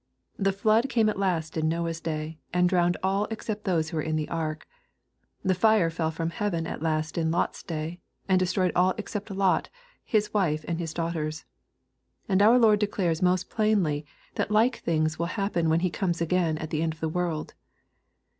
The flood came at last in Noah's day, and drowned all except those who were in the ark. The fire fell from heaven at last in Lot's day, and destroyed all except Lot, his wife, and his daughters. And our Lord declares most plainly that like things will happen when He comes again at the end of the world.